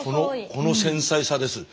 この繊細さです。